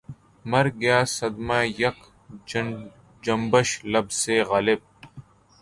مر گیا صدمۂ یک جنبش لب سے غالبؔ